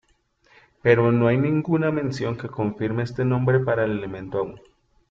Pero no hay ninguna mención que confirme este nombre para el elemento aún.